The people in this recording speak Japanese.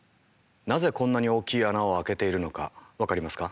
なぜこんなに大きい穴を開けているのか分かりますか？